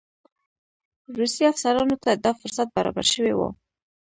روسي افسرانو ته دا فرصت برابر شوی وو.